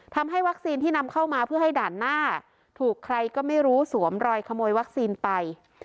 ทำให้วัคซีนที่นำเข้ามาเพื่อให้ด่านหน้าถูกใครก็ไม่รู้สวมรอยขโมยวัคซีนไป